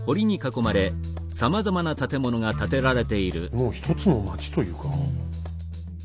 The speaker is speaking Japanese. もう一つの町というか。